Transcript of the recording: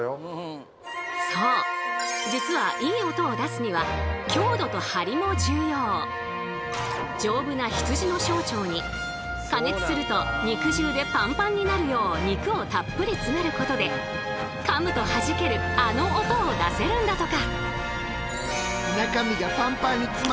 そう実は丈夫な羊の小腸に加熱すると肉汁でパンパンになるよう肉をたっぷり詰めることでかむとはじけるあの音を出せるんだとか。